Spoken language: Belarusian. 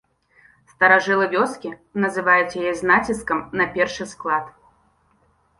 Старажылы вёскі называюць яе з націскам на першы склад.